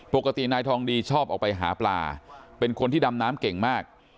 ปกตินายทองดีชอบออกไปหาปลาเป็นคนที่ดำน้ำเก่งมาก